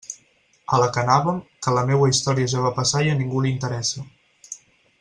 A la que anàvem, que la meua història ja va passar i a ningú li interessa.